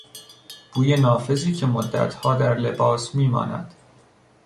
بوی نافذی که مدتها در لباس میماند